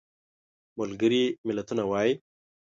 ملګري ملتونه وایي.